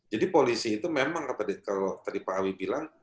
jadi polisi itu memang kalau tadi pak awi bilang